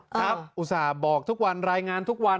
อุตส่าห์บอกทุกวันรายงานทุกวัน